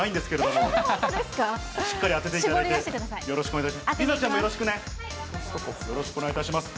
よろしくお願いします。